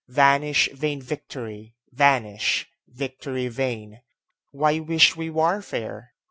Vanish vain victory! vanish, victory vain! Why wish we warfare?